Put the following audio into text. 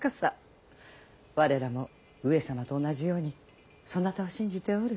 我らも上様と同じようにそなたを信じておる。